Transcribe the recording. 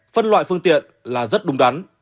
phân loại phương tiện là rất đúng đắn